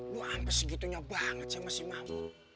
lu ampe segitunya banget sih sama si mahmud